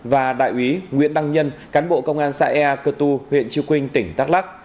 và huyện đăng nhân cán bộ công an xã ea cơ tu huyện trừ quynh tỉnh đắk lắc